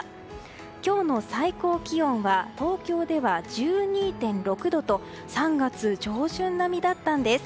今日の最高気温は東京では１２．６度と３月上旬並みだったんです。